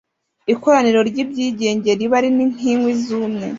ikoraniro ry'ibyigenge riba ari nk'inkwi zumye